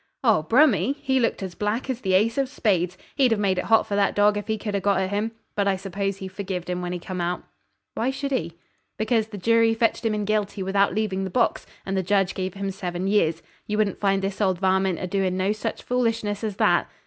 'Oh! Brummy? He looked as black as the ace of spades. He'd have made it hot for that dorg if he could ha' got at him. But I suppose he forgived him when he came out.' 'Why should he?' 'Because the jury fetched him in guilty without leaving the box, and the judge give him seven years. You wouldn't find this old varmint a doin' no such foolishness as that.'